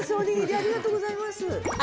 ありがとうございます！